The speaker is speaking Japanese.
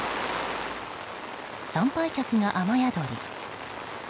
参拝客が雨宿り。